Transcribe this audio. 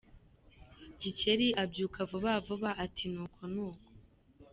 Gikeli abyuka vuba vuba, ati “Ni uko, ni uko.